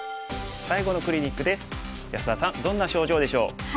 安田さんどんな症状でしょう？